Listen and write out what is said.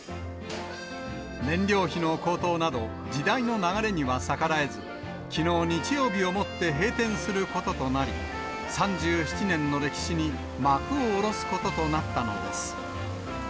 燃料費の高騰など、時代の流れには逆らえず、きのう日曜日をもって、閉店することとなり、３７年の歴史に幕を下ろすこととなったのです。